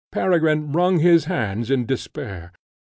Peregrine wrung his hands in despair.